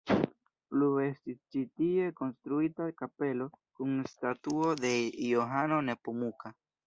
Plue estis ĉi tie konstruita kapelo kun statuo de Johano Nepomuka.